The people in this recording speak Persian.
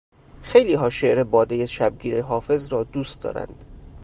خیلیها شعر بادهٔ شبگیر حافظ را دوست دارند.